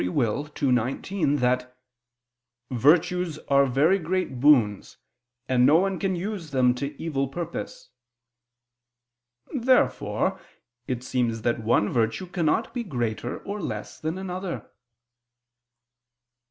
ii, 19) that "virtues are very great boons, and no one can use them to evil purpose." Therefore it seems that one virtue cannot be greater or less than another.